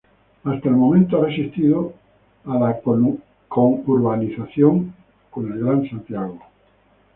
Hasta el momento ha resistido a la conurbación con el Gran Santiago.